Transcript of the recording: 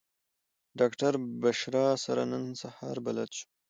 ډاکټره بشرا سره نن سهار بلد شوم.